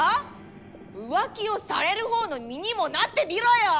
浮気をされるほうの身にもなってみろよ！